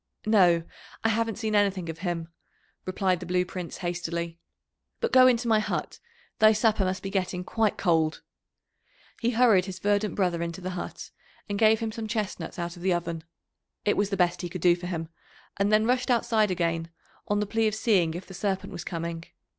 "No, I haven't seen anything of him," replied the Blue Prince hastily. "But go into my hut, thy supper must be getting quite cold." He hurried his verdant brother into the hut, and gave him some chestnuts out of the oven (it was the best he could do for him), and then rushed outside again, on the plea of seeing if the Serpent was coming.